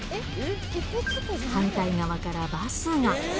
反対側からバスが。